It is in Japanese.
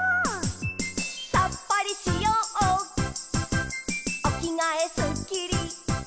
「さっぱりしようおきがえすっきり」